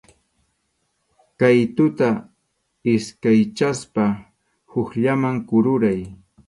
Qʼaytuta iskaychaspa hukllaman kururay.